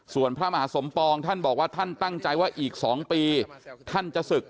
ส่วนพระมหาสมปองท่านบอกว่าท่านตั้งใจว่าอีก๒ปีท่านจะศึก